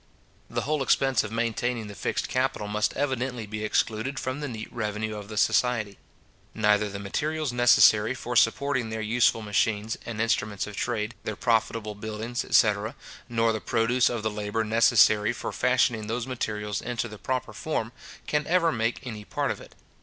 The whole expense of maintaining the fixed capital must evidently be excluded from the neat revenue of the society. Neither the materials necessary for supporting their useful machines and instruments of trade, their profitable buildings, etc. nor the produce of the labour necessary for fashioning those materials into the proper form, can ever make any part of it.